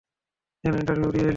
যেন ইন্টারভিউ দিয়ে এলি?